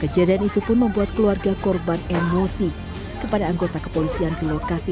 kejadian itu pun membuat keluarga korban emosi kepada anggota kepolisian di lokasi